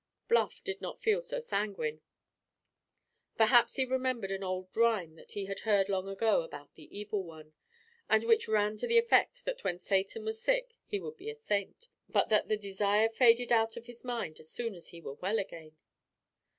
Bluff did not feel so sanguine. Perhaps he remembered an old rhyme that he had heard long ago about the Evil One, and which ran to the effect that when Satan was sick he would be a saint; but that the desire faded out of his mind as soon as he was well again.